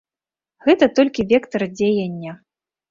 Гэта толькі вектар дзеяння.